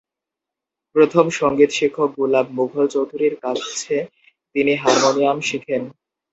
প্রথম সংগীত শিক্ষক গুলাব মুঘল চৌধুরীর কাছে তিনি হারমোনিয়াম শেখেন।